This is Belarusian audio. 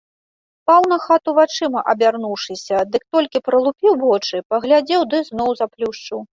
Спаў на хату вачыма абярнуўшыся, дык толькі пралупіў вочы, паглядзеў ды зноў заплюшчыў.